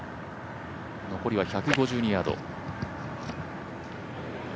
残りは１５２ヤード。